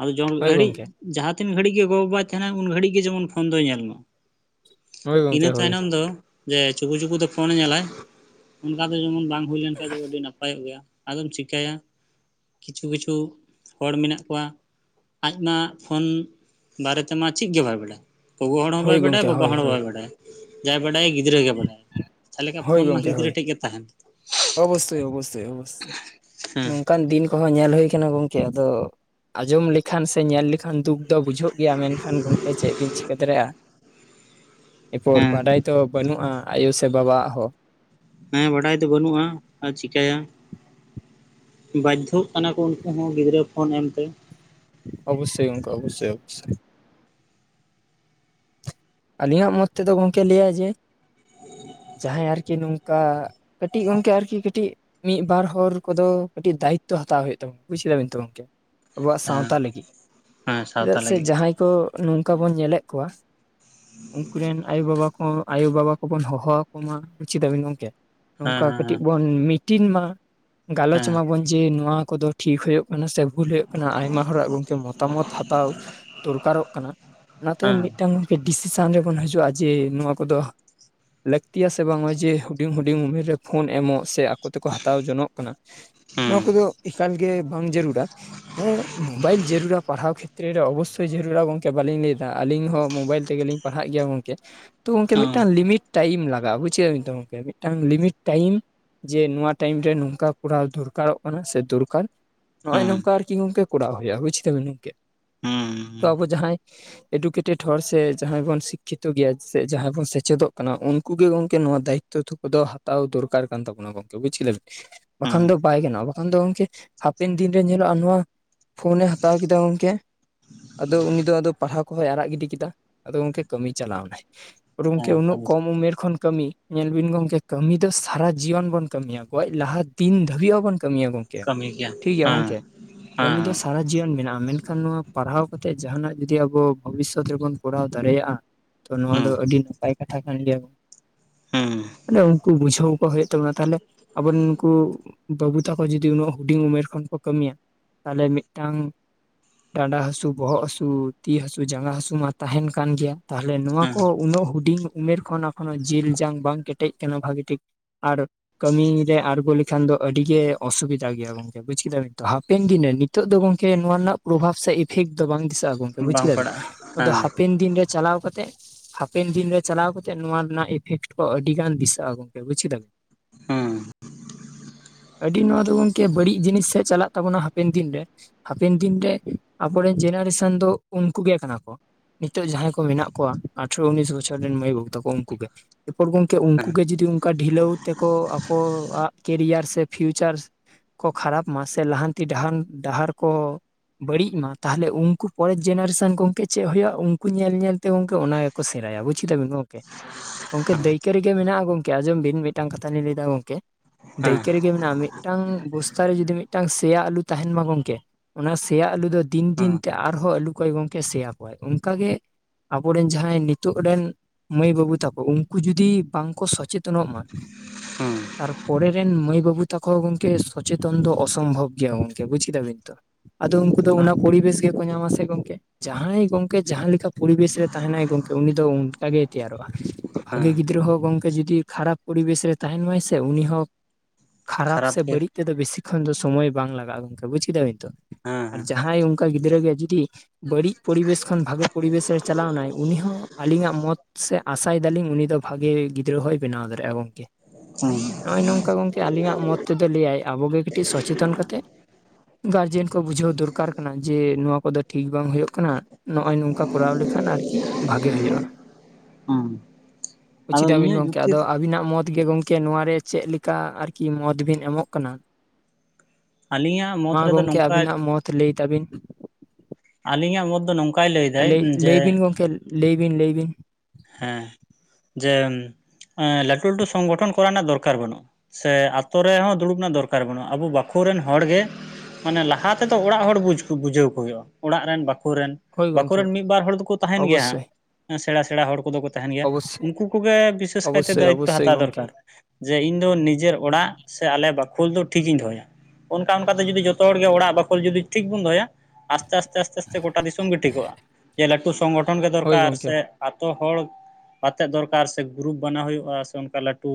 ᱟᱫᱚ ᱡᱚᱞ ᱦᱳᱭ ᱜᱷᱟᱹᱲᱤᱡ ᱜᱚᱝᱠᱮ ᱡᱟᱦᱟᱸ ᱛᱤᱱ ᱜᱷᱟᱹᱲᱤᱡ ᱜᱮ ᱜᱚᱜᱚᱼᱵᱟᱵᱟᱭ ᱛᱟᱦᱮᱸᱱᱟ ᱩᱱ ᱜᱷᱟᱹᱲᱤᱡ ᱜᱮ ᱡᱮᱢᱚᱱ ᱯᱷᱳᱱ ᱫᱚᱭ ᱧᱮᱞ ᱢᱟ᱾ ᱦᱳᱭ ᱜᱚᱝᱠᱮ ᱤᱱᱟᱹ ᱦᱳᱭ ᱛᱟᱭᱱᱚᱢ ᱫᱚᱼᱼ ᱡᱮ ᱪᱩᱠᱩ ᱪᱩᱠᱩ ᱛᱮ ᱯᱷᱳᱱᱮ ᱧᱮᱞᱟᱭ, ᱚᱱᱠᱟ ᱫᱚ ᱡᱮᱢᱚᱱ ᱵᱟᱝ ᱦᱩᱭ ᱞᱮᱱᱠᱷᱟᱱ ᱠᱷᱟᱭ ᱫᱚ ᱟᱹᱰᱤ ᱱᱟᱯᱟᱭᱚᱜ ᱜᱮᱭᱟ, ᱟᱫᱚᱢ ᱪᱤᱠᱟᱹᱭᱟ᱾ ᱠᱤᱪᱷᱩ ᱠᱤᱪᱷᱩ ᱦᱚᱲ ᱢᱮᱱᱟᱜ ᱠᱚᱣᱟᱼᱼ ᱟᱡᱢᱟ ᱯᱷᱳᱱ ᱵᱟᱨᱮ ᱛᱮᱢᱟ ᱪᱮᱫ ᱜᱮ ᱵᱟᱭ ᱵᱟᱲᱟᱭᱟ᱾ ᱜᱚᱜᱚ ᱦᱚᱲ ᱦᱚᱸ ᱦᱳᱭ ᱵᱟᱭ ᱵᱟᱰᱟᱭᱟ ᱜᱚᱝᱠᱮ ᱵᱟᱵᱟ ᱦᱳᱭ ᱦᱚᱲ ᱦᱚᱸ ᱦᱳᱭ ᱵᱟᱭ ᱵᱟᱰᱟᱭᱟ, ᱡᱟᱭ ᱵᱟᱰᱟᱭᱟ ᱜᱤᱫᱽᱨᱟᱹ ᱜᱮᱭ ᱵᱟᱰᱟᱭᱟ᱾ ᱛᱟᱦᱚᱞᱮ ᱠᱷᱟᱱ ᱯᱷᱳᱱ ᱢᱟ ᱜᱤᱫᱽᱨᱟᱹ ᱴᱷᱮᱡ ᱜᱮ ᱛᱟᱦᱮᱸᱱ᱾ ᱚᱵᱚᱥᱳᱭ ᱚᱵᱚᱥᱳᱭ ᱚᱵᱚᱥᱳᱭ ᱾ [inaudible] ᱦᱮᱸ ᱱᱚᱝᱠᱟᱱ ᱫᱤᱱ ᱠᱚᱦᱚᱸ ᱧᱮᱞ ᱦᱩᱭ ᱟᱠᱟᱱᱟ ᱜᱚᱝᱠᱮ ᱾ ᱟᱫᱚ ᱟᱸᱡᱚᱢ ᱞᱮᱠᱷᱟᱱ ᱥᱮ ᱧᱮᱞ ᱞᱮᱠᱷᱟᱱ ᱫᱩᱠ ᱫᱚ ᱵᱩᱡᱷᱟᱹᱜ ᱜᱮᱭᱟ ᱢᱮᱱᱠᱷᱟᱱ ᱜᱚᱢᱠᱮ ᱪᱮᱫ ᱵᱤᱱ ᱪᱤᱠᱟᱹ ᱫᱟᱲᱮᱭᱟᱜᱼᱟ᱾ ᱮᱨᱯᱚᱨ ᱦᱮᱸ ᱵᱟᱰᱟᱭ ᱛᱚ ᱵᱟᱹᱱᱩᱜᱼᱟ ᱟᱭᱳ ᱥᱮ ᱵᱟᱵᱟᱣᱟᱜ ᱦᱚ ᱾ ᱦᱮᱸ ᱵᱟᱰᱟᱭ ᱫᱚ ᱵᱟᱹᱱᱩᱜᱼᱟ ᱟᱨ ᱪᱤᱠᱟᱹᱭᱟ, ᱵᱟᱭᱫᱷᱚᱜ ᱠᱟᱱᱟ ᱠᱚ ᱩᱱᱠᱩ ᱦᱚᱸ ᱜᱤᱫᱽᱨᱟᱹ ᱯᱷᱳᱱ ᱮᱢᱛᱮ᱾ ᱚᱵᱚᱥᱳᱭ ᱜᱚᱝᱠᱮ, ᱚᱵᱚᱥᱳᱭ ᱚᱵᱚᱥᱳᱭ᱾ ᱟᱹᱞᱤᱧᱟᱜ ᱢᱚᱛ ᱛᱮᱫᱚ ᱜᱚᱝᱠᱮ ᱞᱟᱹᱭᱟᱭ ᱡᱮ ᱡᱟᱦᱟᱸᱭ ᱟᱨᱠᱤ ᱱᱚᱝᱠᱟ ᱠᱟᱹᱴᱤᱡ ᱜᱚᱝᱠᱮ ᱟᱨᱠᱤ ᱠᱟᱹᱴᱤᱡ ᱢᱤᱫ ᱵᱟᱨ ᱦᱚᱲ ᱠᱚᱫᱚ ᱠᱟᱹᱴᱤᱡ ᱫᱟᱭᱤᱛᱚ ᱦᱟᱛᱟᱣ ᱦᱩᱭᱩᱜ ᱛᱟᱵᱚᱱᱟ ᱵᱩᱡ ᱠᱮᱫᱟᱵᱤᱱ ᱛᱚ ᱜᱚᱢᱠᱮ᱾ ᱟᱵᱚᱣᱟᱜ ᱦᱮᱸ ᱥᱟᱶᱛᱟ ᱞᱟᱹᱜᱤᱫ ᱾ ᱦᱮᱸ [inaudible] ᱥᱟᱶᱛᱟ ᱪᱮᱫᱟᱜ ᱥᱮ ᱞᱟᱹᱜᱤᱫ ᱡᱟᱦᱟᱸᱭ ᱠᱚ ᱱᱚᱝᱠᱟ ᱵᱚᱱ ᱧᱮᱞᱮᱫ ᱠᱚᱣᱟ ᱩᱱᱠᱩ ᱨᱮᱱ ᱟᱭᱳ-ᱵᱟᱵᱟ ᱠᱚ, ᱟᱭᱳ-ᱵᱟᱵᱟ ᱠᱚᱵᱚᱱ ᱦᱚᱦᱚ ᱟᱠᱚ ᱢᱟ ᱵᱩᱡ ᱠᱮᱫᱟᱵᱤᱱ ᱜᱚᱢᱠᱮ᱾ ᱦᱮᱸ ᱱᱚᱝᱠᱟ ᱠᱟᱹᱴᱤᱡ ᱵᱚᱱ ᱢᱤᱴᱤᱱ ᱢᱟ [inaudible] ᱜᱟᱞᱚᱪ ᱦᱮᱸ ᱢᱟᱵᱚᱱ ᱡᱮ ᱱᱚᱣᱟ ᱠᱚᱫᱚ ᱴᱷᱤᱠ ᱦᱳᱭᱳᱜ ᱠᱟᱱᱟ ᱥᱮ ᱵᱷᱩᱞ ᱦᱳᱭᱳᱜ ᱠᱟᱱᱟ, ᱟᱭᱢᱟ ᱦᱚᱲᱟᱜ ᱜᱚᱢᱠᱮ ᱢᱚᱛᱟᱢᱚᱛ ᱦᱟᱛᱟᱣ ᱫᱚᱨᱠᱟᱨᱚᱜ ᱠᱟᱱᱟ ᱾ ᱚᱱᱟᱛᱮ ᱦᱮᱸ ᱢᱤᱫᱴᱟᱝ ᱰᱤᱥᱤᱥᱮᱱ ᱨᱮᱵᱚᱱ ᱦᱤᱡᱩᱜᱼᱟ ᱡᱮ ᱱᱚᱣᱟ ᱠᱚᱫᱚ ᱞᱟᱹᱠᱛᱤᱭᱟ ᱥᱮ ᱵᱟᱝ ᱱᱚᱜᱚᱭ ᱡᱮ ᱦᱩᱰᱤᱧ ᱦᱩᱰᱤᱧ ᱩᱢᱮᱨ ᱨᱮ ᱯᱷᱳᱱ ᱮᱢᱚᱜ ᱥᱮ ᱟᱠᱚᱛᱮ ᱠᱚ ᱦᱟᱛᱟᱣ ᱡᱚᱱᱚᱜ ᱠᱟᱱᱟ, [inaudible] ᱦᱮᱸ ᱱᱚᱣᱟ ᱠᱚᱫᱚ ᱮᱠᱟᱞ ᱜᱮ ᱵᱟᱝ ᱡᱟᱹᱨᱩᱲᱟ᱾ ᱦᱮᱸ ᱢᱳᱵᱟᱭᱤᱞ ᱡᱟᱹᱨᱩᱲᱟ ᱯᱟᱲᱦᱟᱣ ᱠᱷᱮᱛᱨᱮ ᱨᱮ ᱚᱵᱚᱥᱳᱭ ᱡᱟᱹᱨᱩᱲᱟ ᱜᱚᱝᱠᱮ ᱵᱟᱹᱞᱤᱧ ᱞᱟᱹᱭ ᱮᱫᱟ ᱟᱹᱞᱤᱧ ᱦᱚᱸ ᱢᱳᱵᱟᱭᱤᱞ ᱛᱮᱜᱮ ᱞᱤᱧ ᱯᱟᱲᱦᱟᱜ ᱜᱮᱭᱟ ᱜᱚᱝᱠᱮ ᱾ ᱛᱚ ᱜᱚᱝᱠᱮ ᱦᱮᱸ ᱢᱤᱫᱴᱟᱝ ᱞᱤᱢᱤᱴ ᱴᱟᱭᱤᱢ ᱞᱟᱜᱟᱜᱼᱟ ᱵᱩᱡ ᱠᱮᱫᱟᱵᱤᱱ ᱛᱚ ᱜᱚᱢᱠᱮ ᱾ ᱢᱤᱫᱴᱟᱝ ᱞᱤᱢᱤᱴ ᱴᱟᱭᱤᱢ ᱡᱮ ᱱᱚᱣᱟ ᱴᱟᱭᱤᱢ ᱨᱮ ᱱᱚᱝᱠᱟ ᱠᱚᱨᱟᱣ ᱫᱚᱨᱠᱟᱨᱚᱜ ᱠᱟᱱᱟ ᱥᱮ ᱫᱚᱨᱠᱟᱨ᱾ ᱱᱚᱜ-ᱚᱭ ᱦᱮᱸ ᱱᱚᱝᱠᱟ ᱟᱨᱠᱤ ᱜᱚᱝᱠᱮ ᱠᱚᱨᱟᱣ ᱦᱩᱭᱩᱜᱼᱟ ᱵᱩᱪ ᱠᱮᱫᱟ ᱵᱮᱱ ᱜᱚᱝᱠᱮ᱾ ᱛᱚ ᱟᱵᱚ ᱦᱮᱸ ᱡᱟᱦᱟᱸᱭ ᱮᱰᱩᱠᱮᱴᱮᱴ ᱦᱚᱲ ᱥᱮ ᱡᱟᱦᱟᱸᱭ ᱵᱚᱱ ᱥᱤᱠᱠᱷᱤᱛᱚ ᱜᱮᱭᱟ ᱥᱮ ᱡᱟᱦᱟᱸᱭ ᱵᱚᱱ ᱥᱮᱪᱮᱫᱚᱜ ᱠᱟᱱᱟ ᱩᱱᱠᱩ ᱜᱮ ᱜᱚᱝᱠᱮ ᱱᱚᱣᱟ ᱫᱟᱭᱤᱠᱛᱚ ᱛᱚᱠᱚ ᱫᱚ ᱦᱟ ᱛᱟᱣ ᱫᱚᱨᱠᱟᱨ‌ ᱠᱟᱱ ᱛᱟᱵᱚᱱᱟ ᱠᱚᱝᱠᱮ ᱵᱩᱪ ᱠᱮᱫᱟ‌ ᱵᱤᱱ ᱾ ᱵᱟᱠᱷᱟᱱ ᱫᱚ ᱵᱟᱭ ᱜᱟᱱᱚᱜᱼᱟ ᱵᱟᱠᱷᱟᱱ ᱫᱚ ᱜᱚᱝᱠᱮ ᱦᱟᱯᱮᱱ ᱫᱤᱱ ᱨᱮ ᱧᱮᱞᱚᱜᱼᱟ ᱱᱚᱣᱟ ᱯᱷᱳᱱ ᱮ ᱦᱟᱛᱟᱣ ᱠᱮᱫᱟ ᱜᱚᱝᱠᱮ [inaudible] ᱟᱫᱚ ᱩᱱᱤ ᱫᱚ ᱟᱫᱚ ᱯᱟᱲᱦᱟᱣ ᱠᱚᱦᱚᱸᱭ ᱟᱨᱟᱜ ᱜᱤᱰᱤ ᱠᱮᱫᱟ᱾ ᱟᱫᱚ ᱜᱚᱝᱠᱮ ᱠᱟᱹᱢᱤ ᱪᱟᱞᱟᱣ ᱮᱱᱟᱭ ᱾ [inaudible] ᱟᱫᱚ ᱜᱚᱝᱠᱮ ᱦᱮᱸ ᱦᱮᱸ ᱩᱱᱟᱹᱜ ᱦᱮᱸ ᱠᱟᱹᱢᱤ ᱠᱚᱢ ᱩᱢᱮᱨ ᱠᱷᱚᱱ ᱠᱟᱹᱢᱤ ᱧᱮᱞ ᱵᱤᱱ ᱜᱚᱝᱠᱮ ᱠᱟᱹᱢᱤ ᱫᱚ ᱥᱟᱨᱟ ᱡᱤᱭᱚᱱ ᱵᱚᱱ ᱠᱟᱹᱢᱤᱭᱟ ᱜᱚᱡ ᱞᱟᱦᱟ ᱫᱤᱱ ᱫᱷᱟᱹᱵᱤᱡ ᱦᱚᱸ ᱵᱚᱱ ᱠᱟᱹᱢᱤᱭᱟ ᱜᱚᱝ ᱠᱮ ᱠᱟᱹᱢᱤ ᱾ [inaudible] ᱴᱷᱤᱠ ᱜᱮᱭᱟ ᱦᱮᱸ ᱜᱚᱝᱠᱮ [inaudible] ᱠᱟᱹᱢᱤ ᱦᱮᱸ ᱫᱚ ᱥᱟᱨᱟ ᱡᱤᱭᱚᱱ ᱢᱮᱱᱟᱜᱼᱟ ᱢᱮᱱᱠᱷᱟᱱ ᱱᱚᱣᱟ ᱯᱟᱲᱦᱟᱣ ᱠᱟᱛᱮᱜ ᱡᱟᱦᱟᱸᱱᱟᱜ ᱡᱩᱫᱤ ᱟᱵᱚ ᱵᱷᱚᱵᱤᱥᱥᱚᱛ ᱨᱮᱵᱚᱱ ᱠᱚᱨᱟᱣ ᱫᱟᱲᱮᱭᱟᱜᱼᱟ, ᱛᱚ ᱱᱚᱣᱟ ᱫᱚ ᱦᱮᱸ ᱟᱹᱰᱤ ᱱᱟᱯᱟᱭ ᱠᱟᱛᱷᱟ ᱠᱟᱱ ᱜᱮᱭᱟ ᱜᱚᱝ ᱦᱮᱸ [inaudible] ᱟᱫᱚ ᱠᱚ ᱵᱩᱡᱷᱟᱹᱣ ᱠᱚ ᱦᱩᱭᱩᱜ ᱛᱟᱵᱱᱟ ᱛᱟᱦᱚᱞᱮ ᱾ ᱟᱵᱚ ᱨᱮᱱ ᱱᱩᱠᱩ ᱵᱟᱹᱵᱩ ᱛᱟᱠᱚ ᱡᱩᱫᱤ ᱩᱱᱟᱹᱜ ᱦᱩᱰᱤᱧ ᱩᱢᱮᱨ ᱠᱷᱚᱱ ᱠᱚ ᱠᱟᱹᱢᱤᱭᱟ ᱛᱟᱦᱚᱞᱮ ᱢᱤᱫᱴᱟᱝ [inaudible] ᱰᱟᱸᱰᱟ ᱦᱟᱹᱥᱩ ᱵᱚᱦᱚᱜ ᱦᱟᱹᱥᱩ ᱛᱤ ᱦᱟᱹᱥᱩ ᱡᱟᱸᱜᱟ ᱦᱟᱹᱥᱩ ᱢᱟ ᱛᱟᱦᱮᱱ ᱠᱟᱱ ᱜᱮᱭᱟ ᱾ ᱛᱟᱦᱚᱞᱮ ᱱᱚᱣᱟ ᱦᱮᱸ ᱠᱚ ᱩᱱᱟᱹᱜ ᱦᱩᱰᱤᱧ ᱩᱢᱮᱨ ᱠᱷᱚᱱ ᱮᱠᱷᱚᱱᱚ ᱡᱤᱞ ᱡᱟᱝ ᱵᱟᱝ ᱠᱮᱴᱮᱡ ᱠᱟᱱᱟ ᱵᱷᱟᱜᱮ ᱴᱷᱤᱠ ᱟᱨ ᱠᱟᱹᱢᱤ ᱨᱮ‌ ᱟᱬᱜᱚ ᱞᱮᱠᱷᱟᱱ ᱫᱚ ᱟᱹᱰᱤ ᱜᱮ ᱚᱥᱩᱵᱤᱫᱟ ᱜᱮᱭᱟ ᱜᱚᱝ ᱠᱮ ᱵᱩᱪ ᱠᱮᱫᱟ ᱵᱤᱱ ᱛᱚ ᱾ ᱦᱟᱯᱮᱱ ᱫᱤᱱ‌ ᱨᱮ ᱱᱤᱛᱚᱜ ᱫᱚ ᱜᱚᱝᱠᱮ ᱱᱚᱣᱟ ᱨᱮᱱᱟᱜ ᱯᱨᱚᱵᱷᱟᱵᱽ ᱥᱮ ᱤᱯᱷᱮᱠᱴ ᱫᱚ ᱵᱟᱝ ᱫᱤᱥᱟᱹᱜᱼᱟ ᱜᱚᱝᱠᱮ ᱵᱩᱪ ᱵᱟᱝ ‌ᱠᱮᱫᱟ ᱵᱤᱱ ᱯᱟᱲᱟᱜᱼᱟ ᱾ ᱟᱫᱚ ᱦᱮᱸ ᱦᱮᱸ ᱦᱟᱯᱮᱱ ᱫᱤᱱ ᱨᱮ ᱪᱟᱞᱟᱣ ᱠᱟᱛᱮᱜ ᱦᱟᱯᱮᱱ ᱫᱤᱱ ᱨᱮ ᱪᱟᱞᱟᱣ ᱠᱟᱛᱮᱜ ᱱᱚᱣᱟ ᱨᱮᱱᱟᱜ ᱤᱯᱷᱮᱠᱴ ᱠᱚ ᱟᱹᱰᱤ ᱜᱟᱱ ᱫᱤᱥᱟᱜᱼᱟ ᱜᱚᱝᱠᱮ ᱵᱩᱪ‌ ᱠᱮᱫᱟ ᱵᱤᱱ ᱾ [inaudible] ᱟᱹᱰᱤ ᱱᱚᱣᱟ ᱫᱚ ᱜᱚᱝᱠᱮ ᱵᱟᱹᱲᱤᱡ ᱡᱤᱱᱤᱥ ᱥᱮᱫ ᱪᱟᱞᱟᱜ ᱛᱟᱵᱚᱱᱟ ᱦᱟᱯᱮᱱ ᱫᱤᱱ ᱨᱮ᱾ ᱦᱟᱯᱮᱱ ᱫᱤᱱ ᱨᱮ ᱟᱵᱚ ᱨᱮᱱ ᱡᱮᱱᱟᱨᱮᱥᱚᱱ ᱫᱚ ᱩᱱᱠᱩ ᱜᱮ ᱠᱟᱱᱟ ᱠᱚ᱾ ᱱᱤᱛᱚᱜ ᱡᱟᱦᱟᱸᱭ ᱠᱚ ᱢᱮᱱᱟᱜ ᱠᱚᱣᱟ ᱟᱴᱷᱨᱚ ᱩᱱᱤᱥ ᱵᱚᱪᱷᱚᱨ ᱨᱮᱱ ᱢᱟᱹᱭ ᱵᱟᱹᱵᱩ ᱛᱟᱠᱚ ᱩᱱᱠᱩ ᱜᱮ᱾ ᱮᱯᱚᱨ ᱜᱚᱢᱠᱮ ᱦᱮᱸ ᱩᱝᱠᱩ ᱜᱮ ᱡᱩᱫᱤ ᱚᱱᱠᱟ ᱰᱷᱤᱞᱟᱹᱣ ᱛᱮᱠᱚ ᱟᱠᱚᱣᱟᱜ ᱠᱮᱨᱤᱭᱟᱨ ᱥᱮ ᱯᱷᱤᱭᱩᱪᱟᱨ ᱠᱚ ᱠᱷᱟᱨᱟᱯ ᱢᱟ ᱥᱮ ᱞᱟᱦᱟᱱᱛᱤ ᱰᱟᱦᱟᱱ ᱰᱟᱦᱟᱨ ᱠᱚ ᱵᱟᱹᱲᱤᱡ ᱱᱟ ᱛᱟᱦᱚᱞᱮ ᱩᱱᱠᱩ ᱯᱚᱨᱮᱨ ᱡᱮᱱᱟᱨᱮᱥᱚᱱ ᱜᱚᱝᱠᱮ ᱪᱮᱜ ᱦᱩᱭᱩᱜ-ᱟ ᱩᱱᱠᱩ ᱧᱮᱞ ᱧᱮᱞ ᱛᱮ ᱜᱚᱢᱠᱮ ᱚᱱᱟ ᱜᱮᱠᱚ ᱥᱮᱬᱟᱭᱟ ᱵᱩᱪ ᱠᱮᱫᱟ ᱵᱤᱱ ᱜᱚᱢᱠᱮ᱾ ᱜᱚᱢᱠᱮ ᱫᱟᱹᱭᱠᱟᱹ ᱨᱮᱜᱮ ᱢᱮᱱᱟᱜ-ᱟ ᱜᱚᱢᱠᱮ ᱟᱸᱡᱚᱢ ᱵᱤᱱ ᱢᱤᱫᱴᱟᱝ ᱠᱟᱛᱷᱟ ᱞᱤᱧ ᱞᱟᱹᱭ ᱫᱟ ᱜᱚᱢᱠᱮ ᱦᱮᱸ ᱫᱟᱹᱭᱠᱟᱹ ᱨᱮᱜᱮ ᱢᱮᱱᱟᱜ-ᱟ ᱢᱤᱫᱴᱟᱝ ᱵᱚᱥᱛᱟ ᱨᱮ ᱡᱩᱫᱤ ᱢᱤᱫᱴᱟᱝ ᱥᱮᱭᱟ ᱟᱸᱞᱩ ᱛᱟᱦᱮᱱ ᱢᱟ ᱜᱚᱝᱴᱢᱠᱮ ᱚᱱᱟ ᱥᱮᱭᱟ ᱟᱹᱞᱩ ᱫᱚ ᱫᱤᱱ ᱫᱤᱱ ᱦᱮᱸ ᱛᱮ ᱟᱨᱦᱚᱸ ᱟᱹᱞᱩ ᱠᱚᱭ ᱜᱚᱢᱠᱮ ᱥᱮᱭᱟ ᱠᱚᱣᱟᱭ ᱚᱱᱠᱟ ᱜᱮ ᱟᱵᱚ ᱨᱮᱱ ᱡᱟᱦᱟᱸᱭ ᱱᱤᱛᱚᱜ ᱨᱮᱱ ᱢᱟᱹᱭ ᱵᱟᱹᱵᱩ ᱛᱟᱠᱚ ᱩᱱᱠᱩ ᱡᱩᱫᱤ ᱵᱟᱝ ᱠᱚ ᱥᱚᱪᱮᱛᱚᱱᱚᱜ ᱢᱟ᱾ ᱦᱮᱸ ᱛᱟᱨ ᱯᱚᱨᱮ ᱨᱮᱱ ᱢᱟᱹᱭ ᱵᱟᱹᱵᱩ ᱛᱟᱠᱚ ᱜᱚᱢᱠᱮ ᱥᱚᱪᱮᱛᱚᱱ ᱫᱚ ᱚᱥᱚᱢᱵᱷᱚᱵᱽ ᱜᱮᱭᱟ ᱜᱚᱝᱠᱮ ᱵᱩᱪ ᱠᱮᱫᱟ ᱵᱤᱱ᱾ ᱴᱟ ᱟᱫᱚ ᱩᱱᱠᱩ ᱫᱚ ᱵᱟᱝ ᱚᱱᱟ ᱯᱚᱲᱤᱵᱮᱥ ᱜᱮᱠᱚ ᱧᱟᱢᱟ ᱥᱮ ᱜᱚᱢᱠᱮ ᱡᱟᱦᱟᱸᱭ ᱼᱼ ᱜᱚᱢᱠᱮ ᱡᱟᱦᱟᱸ ᱞᱮᱠᱟ ᱯᱚᱲᱤᱵᱮᱥ ᱨᱮ ᱛᱟᱦᱮᱱᱟᱭ ᱜᱚᱢᱠᱮ ᱩᱱᱤ ᱫᱚ ᱚᱱᱠᱟ ᱜᱮ ᱛᱮᱭᱟᱨᱚᱜ-ᱟ, ᱦᱮᱸ ᱵᱷᱟᱜᱮ ᱜᱤᱫᱽᱨᱟᱹ ᱦᱚᱸ ᱜᱚᱝᱠᱮ ᱡᱩᱫᱤ ᱠᱷᱟᱨᱟᱯ ᱯᱚᱲᱤᱵᱮᱥ ᱨᱮ ᱛᱟᱦᱮᱱ ᱢᱟᱭ ᱥᱮ ᱩᱱᱤ ᱦᱚᱸ ᱠᱷᱟᱨᱟᱯ ᱥᱮ ᱵᱟᱹᱲᱤᱡᱼᱼ ᱛᱮᱫᱚ ᱵᱮᱥᱤ ᱠᱷᱚᱱ ᱫᱚ ᱥᱚᱢᱚᱭ ᱵᱟᱝ ᱞᱟᱜᱟᱜ-ᱟ ᱜᱚᱢᱠᱮ ᱵᱩᱪ‌ ᱠᱮᱫᱟ ᱵᱤᱱ ᱛᱚ᱾ ᱦᱮᱸ ᱟᱨ ᱦᱮᱸ ᱡᱟᱦᱟᱸᱭ ᱚᱱᱠᱟ ᱜᱤᱫᱽᱨᱟᱹᱜᱮ ᱡᱩᱫᱤ ᱵᱟᱹᱲᱤᱡᱼᱼ ᱯᱚᱲᱤᱵᱮᱥ ᱠᱷᱚᱱ ᱵᱷᱟᱜᱮ ᱯᱚᱲᱤᱵᱮᱥᱨᱮ ᱪᱟᱞᱟᱣ ᱱᱟᱭ ᱩᱱᱤ ᱦᱚᱸ ᱟᱹᱞᱤᱧᱟᱜ ᱢᱚᱛ ᱥᱮ ᱟᱥᱟᱭ ᱫᱟᱞᱤᱧ ᱩᱱᱤ ᱫᱚ, ᱵᱷᱟᱜᱮ ᱜᱤᱫᱽᱨᱟᱹ ᱦᱚᱸᱭ ᱵᱮᱱᱟᱣ ᱫᱟᱨᱮᱜ-ᱟ ᱜᱚᱢᱠᱮ᱾ ᱱᱚᱜ-ᱚᱭ ᱱᱚᱝᱠᱟ ᱜᱚᱢᱠᱮ ᱟᱹᱞᱤᱧᱟᱜ ᱢᱚᱛ ᱛᱮᱫᱚ ᱞᱟᱹᱭᱟᱭ ᱟᱵᱚ ᱜᱮ ᱠᱟᱹᱴᱤᱡ ᱥᱚᱪᱮᱛᱚᱱ ᱠᱟᱛᱮᱜ ᱜᱟᱨᱡᱮᱱ ᱠᱚ ᱵᱩᱡᱷᱟᱹᱣ ᱫᱚᱨᱠᱟᱨ ᱠᱟᱱᱟ ᱡᱮ ᱱᱚᱣᱟ ᱠᱚᱫᱚ ᱴᱷᱤᱠ ᱵᱟᱝ ᱦᱩᱭᱩᱜ ᱠᱟᱱᱟ ᱱᱚᱜ-ᱚᱭ ᱱᱚᱝᱠᱟ ᱠᱚᱨᱟᱣ ᱞᱮᱠᱷᱟᱱ ᱟᱨᱠᱤ ᱵᱷᱟᱜᱤ ᱦᱩᱭᱩᱜ-ᱟ᱾ ᱦᱩᱸ᱾ ᱵᱩᱪ ᱠᱤᱫᱟ ᱵᱤᱱ ᱜᱚᱢᱠᱮ ᱟᱫᱚ ᱟᱵᱤᱱᱟᱜ ᱢᱚᱛ ᱜᱮ ᱜᱚᱢᱠᱮ ᱱᱚᱣᱟ ᱨᱮ ᱪᱮᱜ ᱞᱮᱠᱟ ᱟᱨᱠᱤ ᱢᱚᱛ ᱵᱤᱱ ᱮᱢᱚᱜ ᱠᱟᱱᱟ? ᱟᱹᱞᱤᱧᱟᱜ ᱢᱟ ᱢᱚᱛ ᱨᱮᱫᱚ ᱜᱚᱢᱠᱮ ᱱᱚᱝᱠᱟ ᱟᱵᱤᱱᱟᱜ ᱢᱚᱛ ᱞᱟᱹᱭ ᱛᱟᱵᱤᱱ᱾ ᱟᱞᱤᱧᱟᱜ ᱢᱚᱛ ᱫᱚ ᱱᱚᱝ ᱞᱟᱹᱭ ᱞᱟᱹᱭ ᱵᱤᱱ ᱜᱚᱢᱠᱮ ᱞᱟᱹᱭ ᱵᱤᱱ ᱞᱟᱹᱭ ᱵᱤᱱ᱾ ᱦᱮᱸ ᱡᱮᱢ ᱮᱸ ᱞᱟᱹᱴᱩ ᱞᱟᱹᱴᱩ ᱥᱚᱝᱜᱚᱴᱷᱚᱱ ᱠᱚᱨᱮᱱᱟᱜ ᱫᱚᱨᱠᱟᱨ ᱵᱟᱹᱱᱩᱜ-ᱟ᱾ ᱥᱮ ᱟᱛᱳ ᱨᱮᱦᱚᱸ ᱫᱩᱲᱩᱵ ᱨᱮᱱᱟᱜ ᱫᱚᱨᱠᱟᱨ ᱵᱟᱹᱱᱩᱜᱼᱟ, ᱟᱵᱚ ᱵᱟᱠᱷᱳᱞ ᱨᱮᱱ ᱦᱚᱲᱜᱮ ᱢᱟᱱᱮ ᱞᱟᱦᱟ ᱛᱮᱫᱚ ᱚᱲᱟᱜ ᱦᱚᱲ ᱵᱩᱡᱽ ᱵᱩᱡᱷᱟᱹᱣ ᱠᱚ ᱦᱩᱭᱩᱜᱼᱟ, ᱚᱲᱟᱜ ᱨᱮᱱ ᱵᱟᱠᱳᱨᱮᱱ ᱦᱳᱭ ᱵᱟᱠᱷᱳᱞ ᱜᱚᱝᱠᱮ ᱨᱮᱱ ᱢᱤᱫ ᱵᱟᱨ ᱦᱚᱲ ᱫᱚᱠᱚ ᱛᱟᱦᱮᱱ ᱜᱮᱭᱟ ᱚᱵᱚᱥᱥᱳᱭ ᱦᱟᱸᱜ ᱥᱮᱬᱟ ᱥᱮᱬᱟ ᱦᱚᱲ ᱠᱚᱫᱚ ᱠᱚ ᱛᱟᱦᱮᱱ ᱜᱮᱭᱟ ᱚᱵᱚᱥᱥᱳᱭ ᱩᱱᱠᱩ ᱠᱚᱜᱮ ᱵᱤᱥᱮᱥ ᱠᱟᱭᱛᱮ ᱚᱵᱚᱥᱥᱳᱭ ᱫᱟᱭᱤᱛᱛᱚ ᱚᱵᱚᱥᱥᱳᱭ ᱦᱟᱛᱟᱣ ᱜᱚᱝᱠᱮ ᱫᱚᱨᱠᱟᱨ᱾ ᱡᱮ ᱤᱧ ᱫᱚ ᱱᱤᱡᱮᱨ ᱚᱲᱟᱜ ᱥᱮ ᱟᱞᱮ ᱵᱟᱠᱷᱳᱞ ᱫᱚ ᱴᱷᱤᱠᱤᱧ ᱫᱚᱦᱚᱭᱟ ᱾ ᱚᱱᱠᱟ ᱚᱱᱠᱟᱛᱮ ᱡᱩᱫᱤ ᱡᱚᱛᱚ ᱦᱚᱲ ᱜᱮ ᱚᱲᱟᱜ ᱵᱟᱠᱷᱳᱞ ᱡᱩᱫᱤ ᱴᱷᱤᱠ ᱵᱚᱱ ᱫᱚᱦᱚᱭᱟ ᱾ ᱟᱥᱛᱮ ᱟᱥᱛᱮ ᱟᱥᱛᱮ ᱟᱥᱛᱮ ᱜᱚᱴᱟ ᱫᱤᱥᱚᱢ ᱜᱮ ᱴᱷᱤᱠᱚᱜᱼᱟ ᱾ ᱡᱮ ᱞᱟᱹᱴᱩ ᱥᱚᱝᱜᱚᱴᱷᱚᱱ ᱜᱮ ᱦᱳᱭ ᱫᱚᱨᱠᱟᱨ ᱜᱚᱝᱠᱮ ᱥᱮ ᱡᱚᱛᱚ ᱦᱚᱲ ᱟᱛᱮᱜ ᱫᱚᱨᱠᱟᱨ ᱥᱮ ᱜᱨᱩᱯ ᱵᱮᱟᱱᱟᱣ ᱦᱩᱭᱩᱜᱼᱟ, ᱥᱮ ᱚᱱᱠᱟ ᱞᱟᱹᱴᱩ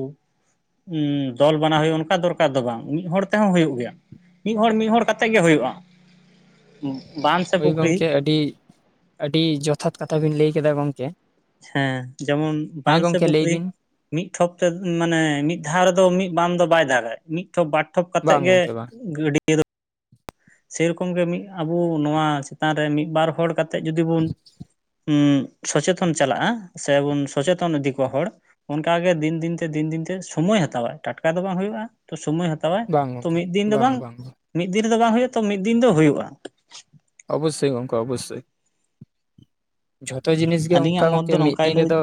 ᱩᱸ ᱫᱚᱞ ᱵᱮᱟᱱᱟᱣ ᱦᱩᱭᱩᱜᱼᱟ ᱚᱱᱠᱟ ᱫᱚᱨᱠᱟᱨ ᱫᱚ ᱵᱟᱝ ᱢᱤᱫ ᱦᱚᱲ ᱛᱮᱦᱚᱸ ᱦᱩᱭᱩᱜ ᱜᱮᱭᱟ ᱾ ᱢᱤᱫ ᱦᱚᱲ ᱢᱤᱫ ᱦᱚᱲ ᱠᱟᱛᱮᱜ ᱜᱮ ᱦᱩᱭᱩᱜᱼᱟ ᱾ ᱵᱟᱸᱫ ᱥᱮ ᱦᱳᱭ ᱯᱩᱠᱷᱨᱤ ᱜᱚᱝᱠᱮ ᱟᱹᱰᱤ ᱟᱹᱰᱤ ᱡᱚᱛᱷᱟᱛ ᱠᱟᱛᱷᱟ ᱵᱤᱱ ᱞᱟᱹᱭ ᱠᱮᱫᱟ ᱜᱚᱢᱠᱮ ᱾ ᱦᱮᱸ ᱡᱮᱢᱚᱱ ᱵᱟᱸᱫ ᱥᱮ ᱞᱟᱹᱭ ᱯᱩᱠᱷᱨᱤ ᱵᱤᱱ ᱢᱤᱫ ᱴᱷᱚᱯ ᱛᱮ ᱢᱟᱱᱮ ᱢᱤᱫ ᱫᱷᱟᱣ ᱨᱮᱫᱚ ᱢᱤᱫ ᱵᱟᱱ ᱫᱚ ᱵᱟᱭ ᱫᱟᱜᱟ, ᱢᱤᱫ ᱢᱤᱫ ᱴᱷᱚᱯ ᱵᱟᱨ ᱴᱷᱚᱯ ᱠᱟᱛᱮ ᱵᱟᱝ ᱜᱮ ᱜᱚᱝᱠᱮ ᱵᱟᱝ ᱜᱟᱹᱰᱭᱟᱹ ᱫᱚ ᱥᱮᱭᱨᱚᱠᱚᱢ ᱜᱮ ᱢᱤᱫ ᱟᱵᱩ ᱱᱚᱣᱟ ᱪᱮᱛᱟᱱ ᱨᱮ ᱢᱤᱫ ᱵᱟᱨ ᱦᱚᱲ ᱠᱟᱛᱮᱫ ᱡᱩᱫᱤ ᱵᱚᱱ ᱩᱸᱜ ᱥᱚᱪᱮᱛᱚᱱ ᱪᱟᱞᱟᱜᱼᱟ, ᱥᱮᱵᱚᱱ ᱥᱚᱪᱮᱛᱚᱱ ᱤᱫᱤ ᱠᱚᱣᱟ ᱦᱚᱲ ᱚᱱᱠᱟᱜᱮ ᱫᱤᱱ ᱫᱤᱱᱛᱮ ᱫᱤᱱ ᱫᱤᱱᱛᱮ ᱥᱚᱢᱚᱭ ᱦᱟᱛᱟᱣᱟᱭ, ᱴᱟᱴᱠᱟ ᱫᱚ ᱵᱟᱝ ᱦᱩᱭᱩᱜᱼᱟ ᱾ ᱛᱚ ᱥᱚᱢᱚᱭ ᱦᱟᱼᱼ ᱛᱚᱵᱮ ᱛᱮ ᱢᱤᱫ ᱫᱤᱱ ᱫᱚ ᱵᱟᱝ ᱢᱤᱫ ᱫᱤᱱ ᱨᱮᱫᱚ ᱵᱟᱝ ᱦᱳᱭᱳᱜᱼᱟ, ᱛᱚ ᱢᱤᱫ ᱫᱤᱱ ᱫᱚ ᱦᱳᱭᱳᱜ-ᱟ ᱾ ᱚ ᱵᱚᱥᱳᱭ ᱜᱚᱢᱠᱮ ᱚ ᱵᱚᱥᱳᱭ᱾ ᱡᱷᱚᱛᱚ ᱡᱤᱱᱤᱥ ᱜᱮ ᱟᱹᱞᱤᱧᱟᱜ ᱚᱱᱠᱟ ᱢᱚᱛ ᱜᱚᱢᱠᱮ ᱫᱚ ᱢᱤᱫ ᱱᱚᱝᱠᱟᱭ ᱫᱤᱱ ᱞᱟᱹᱭ ᱨᱮᱫᱚ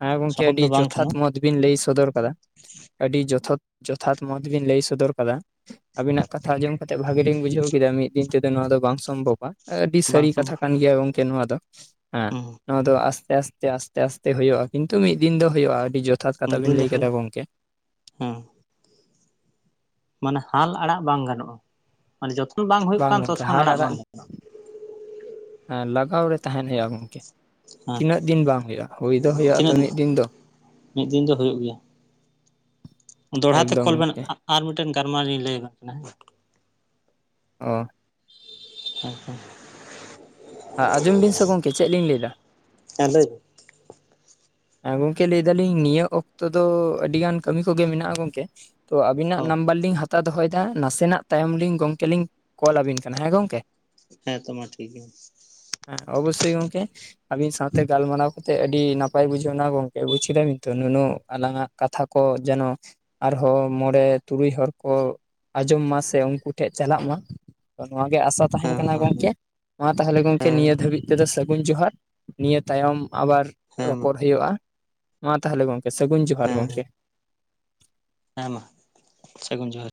ᱦᱮᱸ ᱜᱚᱝᱠᱮ ᱥᱚᱢᱵᱷᱚᱵ ᱟᱹᱰᱤ ᱫᱚ ᱵᱟᱝ ᱡᱚᱛᱷᱟᱛ ᱠᱟᱱᱟ ᱱᱚᱣᱟ ᱵᱤᱱ ᱞᱟᱹᱭ ᱥᱚᱫᱚᱨ ᱠᱟᱫᱟ ᱾ ᱟᱹᱰᱤ ᱡᱚᱛᱷᱟᱛ, ᱡᱚᱛᱷᱟᱛ ᱱᱚᱣᱟ ᱫᱚ ᱵᱤᱱ ᱞᱟᱹᱭ ᱥᱚᱫᱚᱨ ᱠᱟᱫᱟ ᱾ ᱟᱵᱤᱱᱟᱜ ᱠᱟᱛᱷᱟ ᱟᱸᱡᱚᱢ ᱠᱟᱛᱮᱜ ᱵᱷᱟᱜ ᱞᱤᱧ ᱵᱩᱡᱷᱟᱹᱣ ᱠᱮᱫᱟ ᱢᱤᱫ ᱫᱤᱱ ᱛᱮᱫᱚ ᱱᱚᱣᱟ ᱫᱚ ᱵᱟᱝ ᱥᱚᱢᱵᱷᱚᱵᱟ ᱾ ᱟᱹᱰᱤ ᱵᱟᱝ ᱥᱟᱹᱨᱤ ᱠᱟᱛᱷᱟ ᱥᱚᱢᱵᱷᱚᱵ ᱠᱟᱱ ᱜᱮᱭᱟ ᱜᱚᱝᱠᱮ ᱱᱚᱣᱟ ᱫᱚ ᱦᱮᱸ ᱦᱩᱸ ᱱᱚᱣᱟ ᱫᱚ ᱟᱥᱛᱮ, ᱟᱥᱛᱮ ᱟᱥ ᱟᱥᱛᱮ, ᱟᱥᱛᱮ ᱦᱳᱭᱳᱜ-ᱟ᱾ᱠᱤᱱᱛᱩ ᱢᱤᱫ ᱫᱤᱱ ᱫᱚ ᱦᱳᱭᱳᱜ-ᱟ ᱾ ᱟᱹᱰᱤ ᱡᱚᱛᱷᱟᱛ ᱠᱟᱛᱷᱟ ᱢᱤᱫ ᱵᱤᱱ ᱫᱤᱱ ᱫᱚ ᱞᱟᱹᱭ ᱠᱮᱫᱟ ᱦᱩᱭᱩᱜᱼᱟ ᱜᱚᱝᱠᱮ᱾ ᱦᱮᱸ ᱢᱟᱱᱮ ᱦᱟᱞ ᱟᱲᱟᱜ ᱵᱟᱝ ᱜᱟᱱᱚᱜ-ᱟ ᱾ ᱢᱟᱱᱮ ᱡᱚᱛᱠᱷᱚᱱ ᱵᱟᱝ ᱦᱳᱭᱳᱜ ᱠᱟᱱ ᱛᱚᱛᱠᱷᱚᱱ ᱟᱲᱟᱜ ᱵᱟᱝ ᱜᱟᱱᱚᱜ-ᱟ ᱾ ᱞᱟᱜᱟᱣ ᱨᱮ ᱛᱟᱦᱮᱱ ᱦᱳᱭᱳᱜ-ᱟ ᱜᱚᱝᱠᱮ ᱾ ᱦᱮᱸ ᱛᱤᱱᱟᱹᱜ ᱫᱤᱱ ᱵᱟᱝ ᱦᱳᱭᱳᱜ-ᱟ ᱾ ᱦᱳᱭ ᱫᱚ ᱦᱳᱭᱳᱜ-ᱟ ᱛᱚ ᱛᱤᱱᱟᱹᱜ ᱢᱤᱫ ᱫᱤᱱ ᱫᱚ ᱾ ᱢᱤᱫ ᱫᱤᱱ ᱫᱚᱲᱦᱟ ᱛᱮ ᱠᱚᱞ ᱵᱮᱱ ᱜᱚᱝᱠᱮ ᱟᱨ ᱢᱤᱫ ᱴᱮᱱ ᱜᱟᱞᱢᱟᱨ ᱞᱤᱧ ᱞᱟᱹᱭ ᱟᱵᱮᱱ ᱠᱟᱱᱟ ᱦᱮᱸ᱾ ᱚ᱾ ᱦᱮ, ᱸ ᱦᱮᱸ᱾ ᱦᱮᱸᱡᱚᱢ ᱵᱤᱱ ᱥᱮ ᱜᱚᱝᱠᱮ ᱪᱮᱫ ᱞᱤᱧ ᱞᱟᱹᱭ ᱫᱟ᱾ ᱦᱮᱸ ᱞᱟᱸᱭ ᱵᱤᱱ᱾ ᱦᱮᱸ ᱜᱚᱝᱠᱮ ᱞᱟᱹᱭ ᱫᱟᱹᱞᱤᱧ ᱱᱤᱭᱟᱹ ᱚᱠᱛᱚ ᱫᱚ ᱟᱹᱰᱤ ᱜᱟᱱ ᱠᱟᱹᱢᱤ ᱠᱚᱜᱮ ᱢᱮᱱᱟᱜ-ᱟ ᱜᱚᱝᱠᱮ ᱾ ᱛᱚ ᱟᱵᱤᱱᱟᱜ ᱚ ᱱᱟᱢᱵᱟᱨ ᱞᱤᱧ ᱦᱟᱛᱟᱣ ᱫᱚᱦᱚᱭᱫᱟ ᱾ ᱱᱟᱥᱮᱱᱟᱜ ᱛᱟᱭᱚᱢ ᱞᱤᱧ ᱜᱚᱝᱠᱮ ᱞᱤᱧ ᱠᱚᱞ ᱟᱵᱤᱱ ᱠᱟᱱᱟ ᱦᱮᱸ ᱜᱚᱝᱠᱮ ᱾ ᱦᱮᱸ ᱛᱚ ᱢᱟ ᱴᱷᱤᱠ ᱜᱮᱭᱟ ᱾ ᱦᱮᱸ ᱚᱵᱚᱥᱳᱭ ᱜᱚᱝᱠᱮ ᱟᱵᱤᱱ ᱥᱟᱶ ᱛᱮ ᱜᱟᱞᱢᱟᱨᱟᱣ ᱠᱟᱛᱮᱜ ᱟᱹᱰᱤ ᱱᱟᱯ ᱯᱟᱭ ᱵᱩᱡᱷᱟᱹᱣ ᱱᱟ ᱜᱚᱝᱠᱮ ᱵᱩᱡᱽ ᱠᱮᱫᱟ ᱵᱤᱱ ᱛᱚ ᱱᱩᱱᱩ ᱟᱞᱟᱝ ᱟᱜ ᱠᱟᱛᱷᱟ ᱠᱚ ᱡᱮᱱᱚ ᱟᱨᱦᱚᱸ ᱢᱚᱸᱬᱮ ᱛᱩᱨᱩᱭ ᱦᱚᱲ ᱠᱚ ᱟᱸᱡᱚᱢ ᱢᱟ ᱥᱮ ᱩᱱᱠᱩ ᱴᱷᱮᱱ ᱪᱟᱞᱟᱜ ᱢᱟ ᱾ ᱱᱚᱣᱟ ᱜᱮ ᱟᱸᱥᱟ ᱛᱟᱦᱮᱱ ᱦᱮᱸ ᱠᱟᱱᱟ ᱦᱮᱸ ᱜᱚᱝᱠᱮ ᱾ ᱢᱟ ᱛᱟᱦᱞᱮ ᱜᱚᱝᱠᱮ ᱱᱤᱭᱟᱹ ᱦᱮᱸ ᱦᱮᱸ ᱫᱷᱟᱹᱵᱤᱡ ᱛᱮᱫᱚ ᱥᱟᱹᱜᱩᱱ ᱡᱚᱦᱟᱨ᱾ᱱᱤᱭᱟᱹ ᱛᱟᱭᱚᱢ ᱟᱵᱟᱨ ᱦᱮᱸ ᱢᱟ ᱨᱚᱯᱚᱲ ᱦᱳᱭᱳᱜ-ᱟ ᱢᱟ ᱛᱟᱦᱞᱮ ᱜᱚᱝᱠᱮ ᱥᱟᱹᱜᱩᱱ ᱡᱚᱦᱟᱨ ᱦᱮᱸ ᱜᱚᱝᱠᱮ᱾ ᱦᱮᱸ ᱦᱮᱸ ᱢᱟ ᱥᱟᱹᱜᱩᱱ ᱡᱚᱦᱟᱨ ᱾